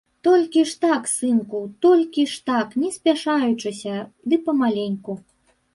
Толькі ж так, сынку, толькі ж так, не спяшаючыся ды памаленьку.